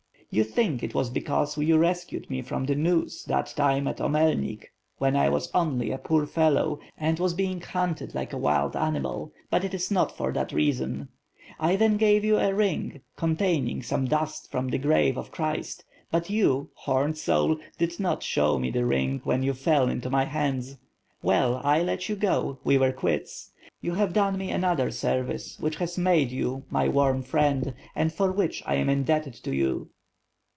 "You think it was because you rescued me from the noose that time at Omelnik, when I was only a poor fellow and was being hunted like a wild animal; but it is not for that reason. I then gave you a ring, containing some dust from the grave of Christ; but, you, homed soul, did not show me the ring when you fell into my hands — well, I let you go, we were quits. But that is not why I love you; you have done me another service which has made you my warm fritnd, and for which I am indebted to you."